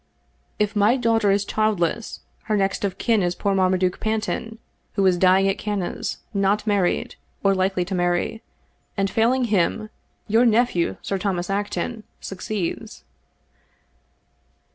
." If my daughter is childless, her next of km is poor Marmaduke Panton, who is dying at Cannes, not married, or likely to marry; and failing him, your nephew, Sir Thomas Acton, succeeds."